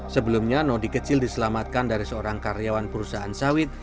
sebelumnya nodi kecil diselamatkan dari seorang karyawan perusahaan sawit